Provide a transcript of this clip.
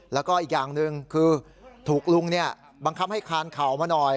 แล้วก็อีกอย่างหนึ่งคือถูกลุงบังคับให้คานเข่ามาหน่อย